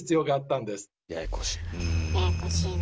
ややこしいの。